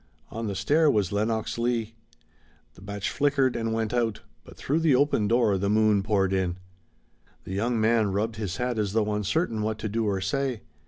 On the stair was Lenox Leigh. The match flickered and went out, but through the open door the moon poured in. The young man rubbed his hat as though uncertain what to do or say.